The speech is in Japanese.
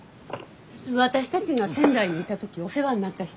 私たちが仙台にいた時お世話になった人です。